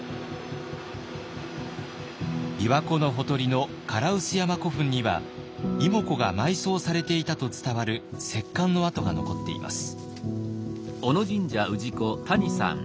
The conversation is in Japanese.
びわ湖のほとりの唐臼山古墳には妹子が埋葬されていたと伝わる石棺の跡が残っています。